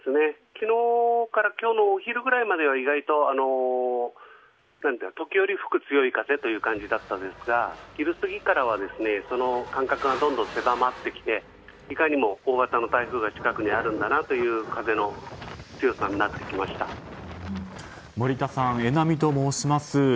昨日から今日のお昼ぐらいまでは時折吹く強い風という感じだったんですが昼過ぎからは間隔がどんどん狭まってきていかにも大型の台風が近くにあるんだなという森田さん、榎並と申します。